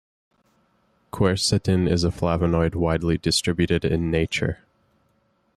Quercetin is a flavonoid widely distributed in nature.